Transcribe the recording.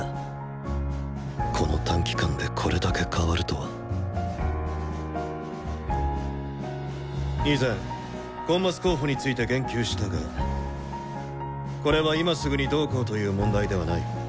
この短期間でこれだけ変わるとは以前コンマス候補について言及したがこれは今すぐにどうこうという問題ではない。